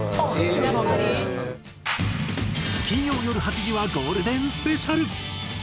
やっぱり？金曜よる８時はゴールデンスペシャル！